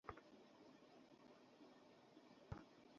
শুধুমাত্র একটা নাচে যেতে পারবো না বলে?